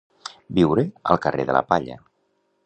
Viure al carrer de la Palla.